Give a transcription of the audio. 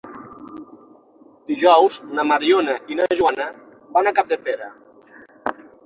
Dijous na Mariona i na Joana van a Capdepera.